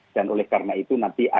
dan oleh karena itu nanti akhirnya